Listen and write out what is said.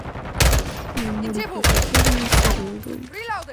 د مړي پر ټټر يې سر لگاوه.